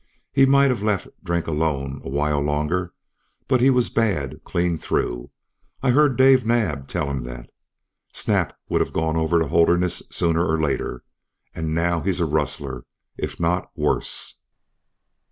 He might have left drink alone a while longer. But he was bad clean through. I heard Dave Naab tell him that. Snap would have gone over to Holderness sooner or later. And now he's a rustler, if not worse."